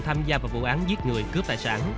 tham gia vào vụ án giết người cướp tài sản